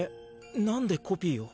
何でコピーを？